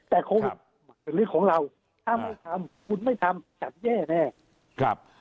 แต่โควิดเป็นเรื่องของเราถ้าไม่ทำคุณไม่ทำฉันแย่แน่ครับ